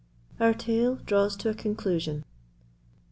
Our tale draws to a conclusion.